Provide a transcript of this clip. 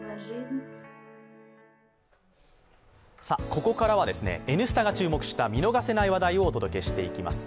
ここからは「Ｎスタ」が注目した見逃せない話題をお届けします。